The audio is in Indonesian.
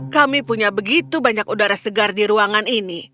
kami punya begitu banyak udara segar di ruangan ini